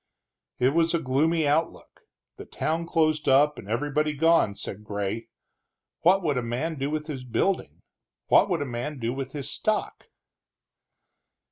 It was a gloomy outlook, the town closed up and everybody gone, said Gray. What would a man do with his building, what would a man do with his stock?